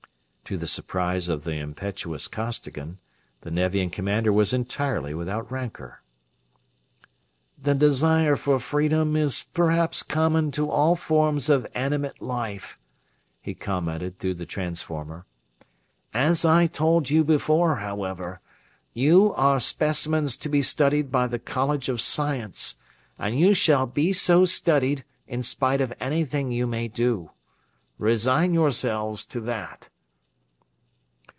To the surprise of the impetuous Costigan, the Nevian commander was entirely without rancor. "The desire for freedom is perhaps common to all forms of animate life," he commented, through the transformer. "As I told you before, however, you are specimens to be studied by the College of Science, and you shall be so studied in spite of anything you may do. Resign yourselves to that."